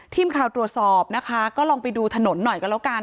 ทีมข่าวตรวจสอบนะคะก็ลองไปดูถนนหน่อยก็แล้วกัน